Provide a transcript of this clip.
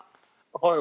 はい。